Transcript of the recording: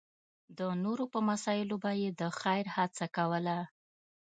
د نورو په مسایلو به یې د خېر هڅه کوله.